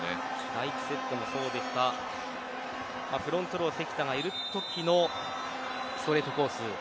第１セットもそうですがフロントの関田がいるときのストレートコース